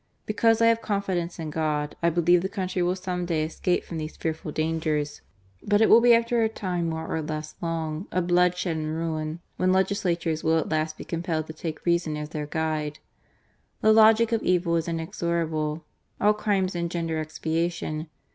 Because I have confidence in God, I believe the country will some day escape from these fearful dangers ; but it will be after a time, more or less long, of bloodshed and ruin, when legislators will at last be compelled to take reason as their guide. The logic of evil is inexorable. All crimes engender expiation.